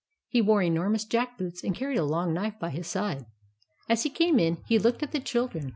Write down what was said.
He wore enormous jack boots, and carried a long knife by his side. As he came in, he looked at the children.